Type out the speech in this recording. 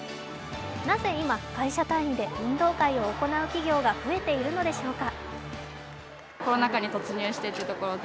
なぜ今、会社単位で運動会を行う企業が増えているのでしょうか。